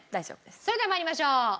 それでは参りましょう。